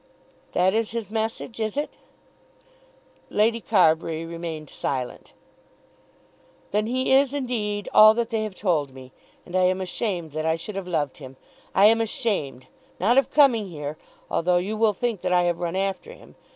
"That is his message; is it?" Lady Carbury remained silent. "Then he is indeed all that they have told me; and I am ashamed that I should have loved him. I am ashamed; not of coming here, although you will think that I have run after him.